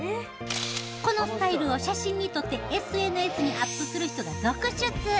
このスタイルを写真に撮ってＳＮＳにアップする人が続出。